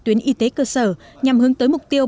tuyến y tế cơ sở nhằm hướng tới mục tiêu